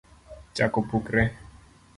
Chak opukore.